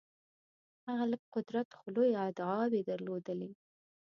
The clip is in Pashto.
هغه لږ قدرت خو لویې ادعاوې درلودلې.